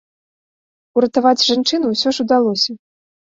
Уратаваць жанчыну ўсё ж удалося.